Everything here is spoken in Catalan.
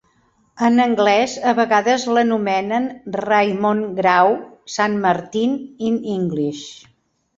En anglès a vegades l'anomenen Raymond Grau San Martin in English.